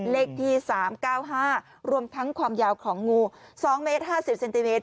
เลขที่๓๙๕รวมทั้งความยาวของงู๒เมตร๕๐เซนติเมตร